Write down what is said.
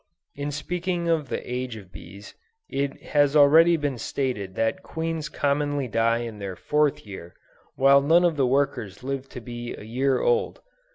In speaking of the age of bees, it has already been stated that queens commonly die in their fourth year, while none of the workers live to be a year old.